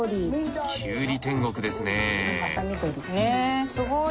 きゅうり天国ですね。